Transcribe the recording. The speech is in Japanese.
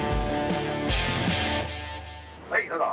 はいどうぞ！